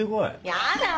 やだ